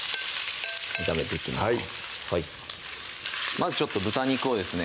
まずちょっと豚肉をですね